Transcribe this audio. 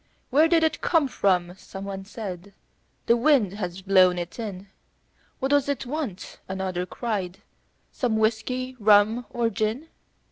"Where did it come from?" someone said. " The wind has blown it in." "What does it want?" another cried. "Some whiskey, rum or gin?"